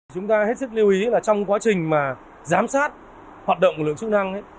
chúng ta hết sức lưu ý là trong quá trình mà giám sát hoạt động lực lượng chức năng